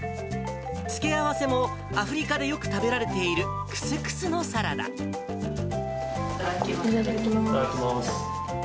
付け合わせも、アフリカでよく食いただきます。